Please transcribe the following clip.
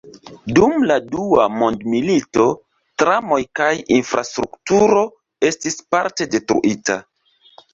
Dum la Dua Mondmilito, tramoj kaj infrastrukturo estis parte detruita.